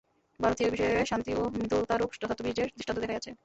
ভারতই ঐ বিষয়ে শান্তি ও মৃদুতারূপ যথার্থ বীর্যের দৃষ্টান্ত দেখাইয়াছে।